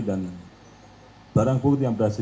dan barang putih yang berhasil